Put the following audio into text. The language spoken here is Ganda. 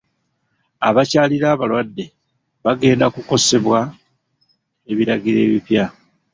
Abakyalira abalwadde bagenda kukosebwa ebiragiro ebipya.